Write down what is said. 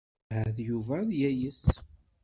Ahat Yuba ad yayes.